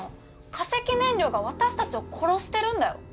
化石燃料が私たちを殺してるんだよ？